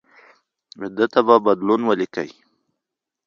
د تبه بدلون ولیکئ.